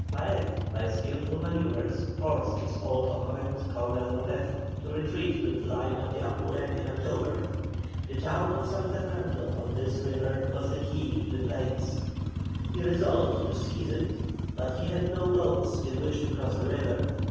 Paez, by skilful manœuvres, forced his old opponent, Colonel Lopez, to retreat to the line of the Apure in October. The town of San Fernando on this river was the key of the plains; he resolved to seize it, but had no boats in which to cross the river.